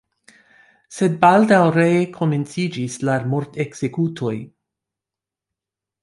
Sed baldaŭ ree komenciĝis la mortekzekutoj.